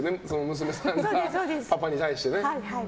娘さんが、パパに対してね。